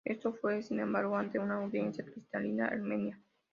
Esto fue, sin embargo, ante una audiencia cristiana armenia.